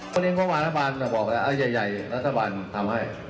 วันนี้มารัฐบาลบอกให้ใหญ่รัฐบาลทำให้